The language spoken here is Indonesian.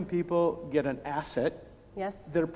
mendapatkan aset yang mereka menghargai